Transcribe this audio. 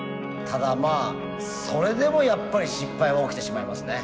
ただまあそれでもやっぱり失敗は起きてしまいますね。